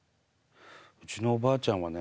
うちのおばあちゃんはね